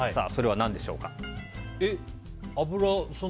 それは何でしょうか。